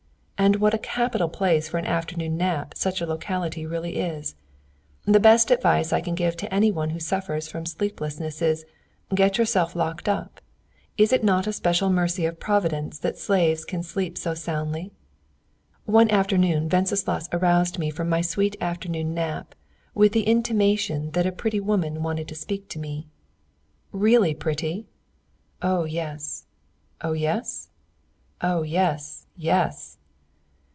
And what a capital place for an afternoon nap such a locality really is! The best advice I can give to any one who suffers from sleeplessness is get yourself locked up! Is it not a special mercy of Providence that slaves can sleep so soundly? One afternoon Wenceslaus aroused me from my sweet afternoon nap with the intimation that a pretty woman wanted to speak to me. "Really pretty?" "Oh yes!" "Oh yes?" "Oh yes, yes!"